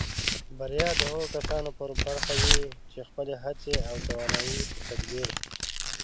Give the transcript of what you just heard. بریا د هغو کسانو په برخه وي چې خپلې هڅې او توانایۍ په تدبیر